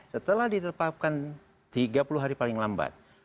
setelah ditetapkan tiga puluh hari paling lambat